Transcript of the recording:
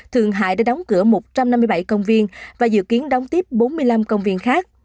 thượng hải đã đóng cửa một trăm năm mươi bảy công viên và dự kiến đóng tiếp bốn mươi năm công viên khác